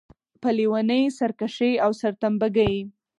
په لېونۍ سرکښۍ او سرتمبه ګۍ.